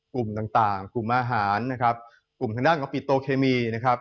กลุ่มต่างต่างกลุ่มอาหารนะครับกลุ่มทางด้านของปิโตเคมีนะครับ